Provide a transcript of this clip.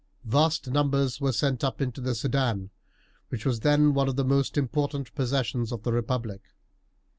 Vast numbers were sent up into the Soudan, which was then one of the most important possessions of the republic.